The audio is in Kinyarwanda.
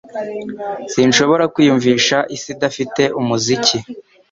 Sinshobora kwiyumvisha isi idafite umuziki.